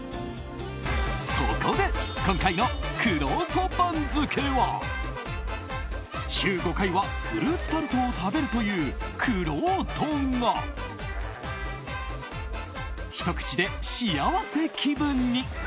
そこで、今回のくろうと番付は週５回はフルーツタルトを食べるというくろうとがひと口で幸せ気分に。